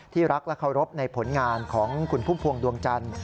รักและเคารพในผลงานของคุณพุ่มพวงดวงจันทร์